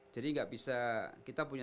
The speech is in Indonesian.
jadi gak bisa kita punya